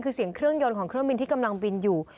คือเสียงเครื่องยนต์ของเครื่องบินที่กำลังบินอยู่